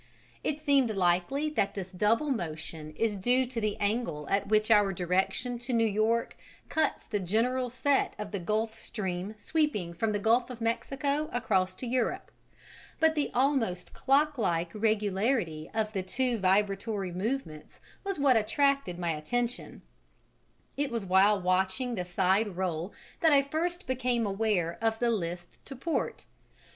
It seems likely that this double motion is due to the angle at which our direction to New York cuts the general set of the Gulf Stream sweeping from the Gulf of Mexico across to Europe; but the almost clock like regularity of the two vibratory movements was what attracted my attention: it was while watching the side roll that I first became aware of the list to port.